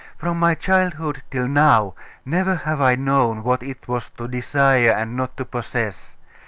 From my childhood till now never have I known what it was to desire and not to possess.